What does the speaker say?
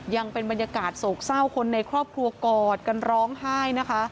ยังเป็นบรรยากาศโศกเศร้าคนในครอบครัวกอดกันร้องไห้นะคะ